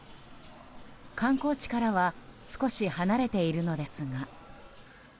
観光地からは少し離れているのですが。